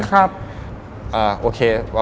กลับพูด